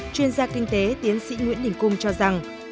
chuyên gia kinh tế tiến sĩ nguyễn đình cung cho rằng